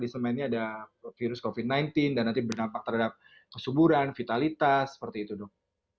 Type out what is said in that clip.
jadi semainnya ada virus covid sembilan belas dan nanti berdampak terhadap kesuburan vitalitas seperti itu dok